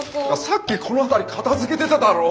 さっきこの辺り片づけてただろ？